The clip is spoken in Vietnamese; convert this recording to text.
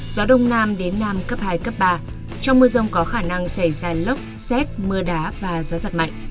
gió đông nam đến nam cấp hai cấp ba trong mưa rông có khả năng xảy ra lốc xét mưa đá và gió giật mạnh